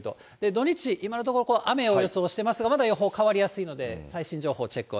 土日、今のところ雨を予想してますが、まだ予報変わりやすいので、最新情報チェック